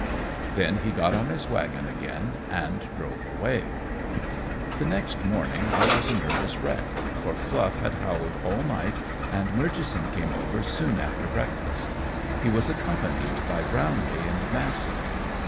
Then he got on his wagon again and drove away. The next morning I was a nervous wreck, for Fluff had howled all night, and Murchison came over soon after breakfast. He was accompanied by Brownlee and Massett.